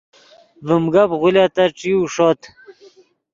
ڤیم گپ غولیتت ݯیو ݰوت